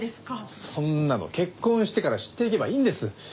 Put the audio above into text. そんなの結婚してから知っていけばいいんです。